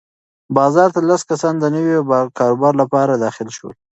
بازار ته لس کسان د نوي کاروبار لپاره داخل شول.